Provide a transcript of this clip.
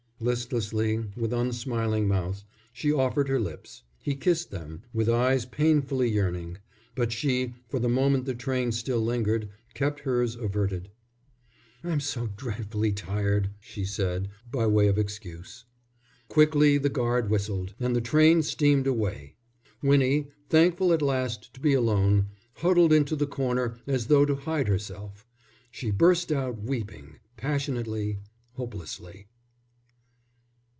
Listlessly, with unsmiling mouth, she offered her lips. He kissed them, with eyes painfully yearning; but she, for the moment the train still lingered, kept hers averted. "I'm so dreadfully tired," she said by way of excuse. Quickly the guard whistled, and the train steamed away. Winnie, thankful at last to be alone, huddled into the corner as though to hide herself. She burst out weeping, passionately, hopelessly.